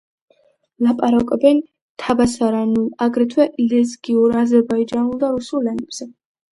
ლაპარაკობენ თაბასარანულ, აგრეთვე ლეზგიურ, აზერბაიჯანულ და რუსულ ენებზე.